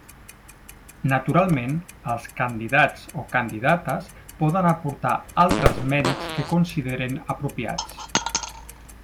Naturalment, els candidats o candidates poden aportar altres mèrits que consideren apropiats.